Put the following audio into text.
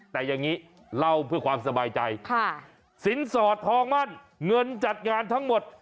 แต่อย่างนี้เล่าเพื่อความสบายใจสินสอดทองมั่นเงินจัดงานทั้งหมด